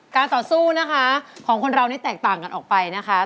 ต่อสู้นะคะของคนเรานี่แตกต่างกันออกไปนะคะ